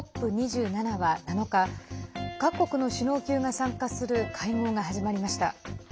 ＣＯＰ２７は７日各国の首脳級が参加する会合が始まりました。